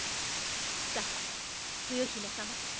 さあ冬姫様。